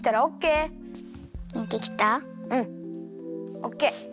オッケー。